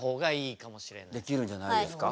できるんじゃないですか？